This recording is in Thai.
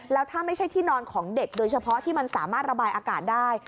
แล้วถ้าไม่ใช่ที่นอนของเด็กโดยเฉพาะที่มันสามารถระบายอากาศได้